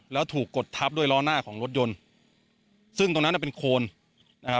แล้วถูกกดทับด้วยล้อหน้าของรถยนต์ซึ่งตรงนั้นน่ะเป็นโคนนะครับ